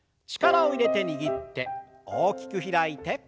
力を入れて握って大きく開いて。